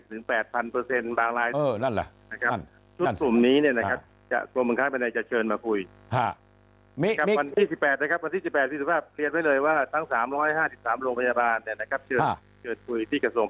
๕๓โรงพยาบาลเชิญคุยที่กระทรวงภาษณิชย์